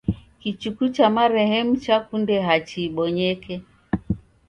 Kichuku cha marehemu chakunde hachi ibonyeke.